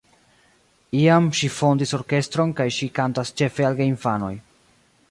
Iam ŝi fondis orkestron kaj ŝi kantas ĉefe al geinfanoj.